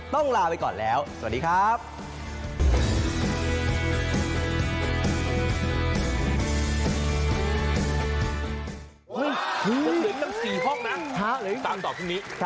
ลาไปก่อนแล้วสวัสดีครับ